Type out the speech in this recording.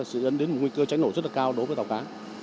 sẽ dẫn đến một nguy cơ cháy nổ rất là cao đối với tàu cá